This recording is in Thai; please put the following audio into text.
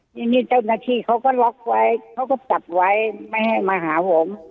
ทีนี้เจ้าหน้าที่เขาก็ล็อกไว้เขาก็ตัดไว้ไม่ให้มาหาผม